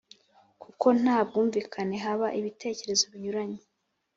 kuko nta bwumvikane haba ibitekerezo binyuranye.